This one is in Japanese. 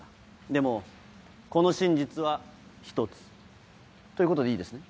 でもこの真実は１つ。ということでいいですね？